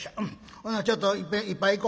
ほなちょっといっぺん一杯いこ。